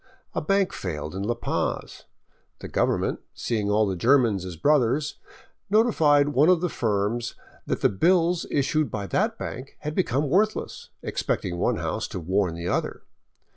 A bank failed in La Paz. The government, seeing all the Germans as brothers, notified one of the firms that the bills issued by that bank had become worthless, expecting one house to warn the other.